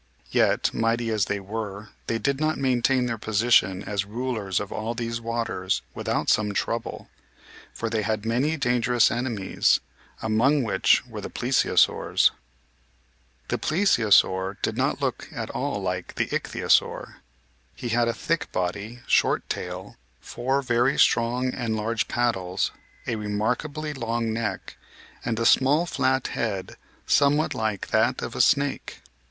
Yet, mighty as they were, they did not maintain their position as rulers of all these waters without some trouble; for they had many dangerous en emies, among which were the Plesiosaurs. DESPOTS OF THE SEAS 69 The Plesiosaur did not look at all like the Ich thyosaur. He had a thick body, short tail, four very strong and large paddles, a remarkably long neck, and a small flat head somewhat like that of a snake.